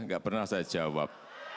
gak pernah saya jawab